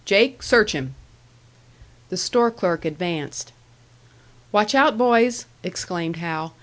Jake, search him." The store clerk advanced. "Watch out, boys!" exclaimed Hal.